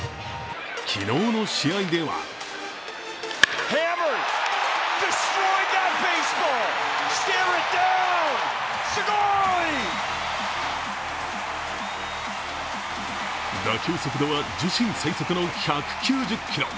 昨日の試合では打球速度は自身最速の１９０キロ。